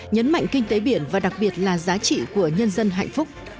nhấn mạnh kinh tế biển và đặc biệt là giá trị của nhân dân hạnh phúc